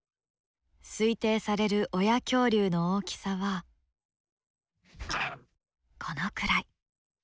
推定される親恐竜の大きさはこのくらい。